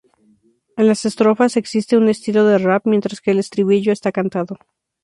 En las estrofas, existe un estilo de rap, mientras que el estribillo está cantado.